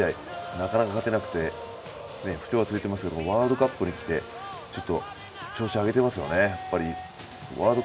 なかなか勝てなくて不良が続いていますけれどもワールドカップにきて調子を上げていますよね。